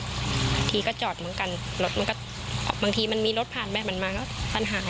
บางทีก็จอดบางทีมันมีรถพาดมาแล้วมันหาย